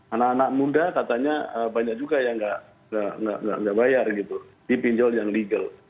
anak anak muda katanya banyak juga yang nggak bayar gitu di pinjol yang legal